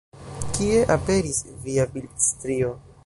Kie aperis via bildstrio?